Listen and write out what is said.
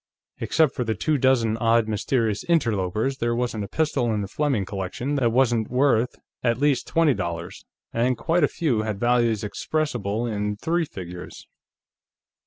Except for the two dozen odd mysterious interlopers, there wasn't a pistol in the Fleming collection that wasn't worth at least twenty dollars, and quite a few had values expressible in three figures.